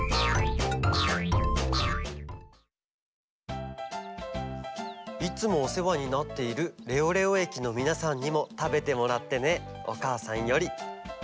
「いつもおせわになっているレオレオ駅のみなさんにもたべてもらってねおかあさんより」。